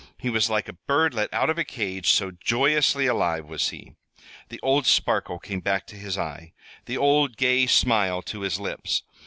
He was like a bird let out of a cage, so joyously alive was he. The old sparkle came back to his eye, the old gay smile to his lips.